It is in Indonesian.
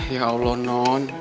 ya allah non